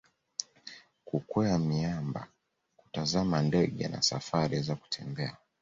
kukwea miamba kutazama ndege na safari za kutembea